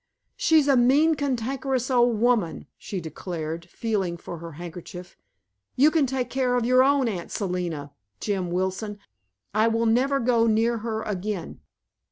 "She's a mean, cantankerous old woman!" she declared, feeling for her handkerchief. "You can take care of your own Aunt Selina, Jim Wilson. I will never go near her again."